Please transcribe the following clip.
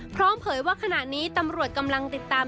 เผยว่าขณะนี้ตำรวจกำลังติดตาม